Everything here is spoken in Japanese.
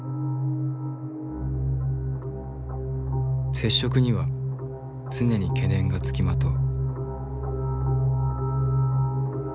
接触には常に懸念が付きまとう。